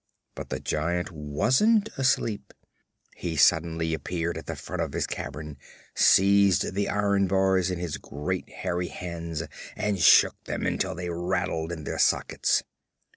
But the Giant wasn't asleep. He suddenly appeared at the front of his cavern, seized the iron bars in his great hairy hands and shook them until they rattled in their sockets.